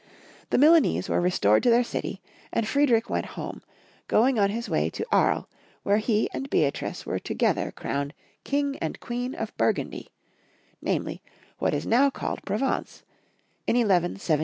The Milanese were re stored to their city, and Friedrich went home, going on his way to Aries, where he and Beatrice were together crowned King and Queen of Burgundy — namely, what is now called Provence — in 1178.